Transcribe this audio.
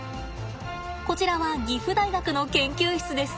こちらは岐阜大学の研究室です。